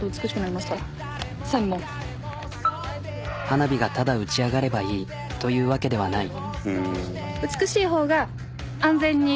花火がただ打ち上がればいいというわけではない。